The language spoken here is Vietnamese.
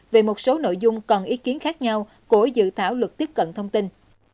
về một số nội dung còn ý kiến khác nhau của dự thảo luật tiếp cận thông tin